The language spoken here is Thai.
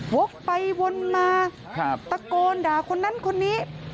วกไปวนมาตะโกนด่าคนนั้นคนนี้